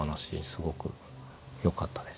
すごくよかったです。